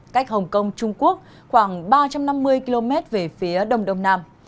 cách hồng kông trung quốc khoảng ba trăm năm mươi km về phía đông đông nam